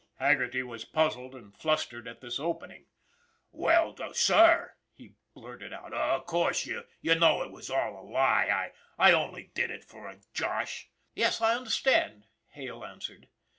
Haggerty was puzzled and flustered at this opening. " Well, sir," he blurted out, " of course you know it was all a lie. I only did it for a josh." " Yes, I understand," Hale answered.